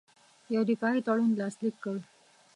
یو دفاعي تړون لاسلیک کړ.